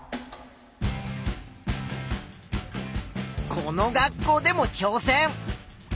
この学校でもちょう戦。